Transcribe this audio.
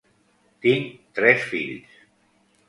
Tinc tres fills.